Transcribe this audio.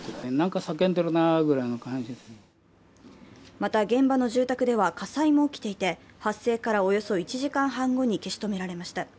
また、現場の住宅では火災も起きていて、発生からおよそ１時間半後に消し止められました。